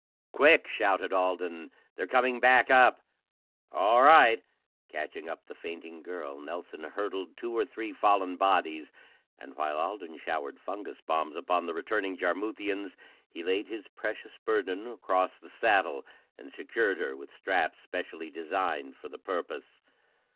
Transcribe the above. "Quick!" shouted Alden. "They're coming back up!" "All right!" Catching up the fainting girl, Nelson hurdled two or three fallen bodies, and, while Alden showered fungus bombs upon the returning Jarmuthians, he laid his precious burden across the saddle and secured her with straps specially designed for the purpose.